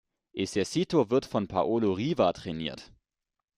Esercito" wird von Paolo Riva trainiert.